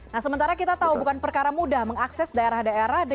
nah sementara kita tahu bukan perkara mudah mengakses daerah daerah